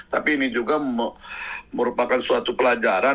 tapi ini juga merupakan suatu pelajaran